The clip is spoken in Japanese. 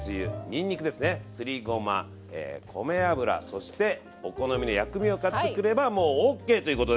そしてお好みで薬味を買ってくればもうＯＫということで。